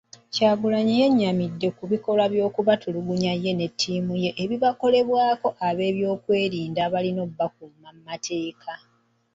Kyagulanyi yennyamidde ku bikolwa by'okumutulugunya ne ttiimu ye ebibakolebwako ab'ebyokwerinda abalina okubakuuma mu mateeka.